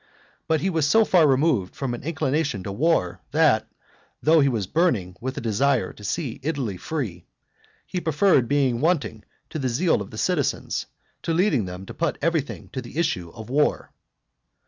But he was so far removed from an inclination to war, that, though he was burning with a desire to see Italy free, he preferred being wanting to the zeal of the citizens, to leading them to put everything to the issue of war.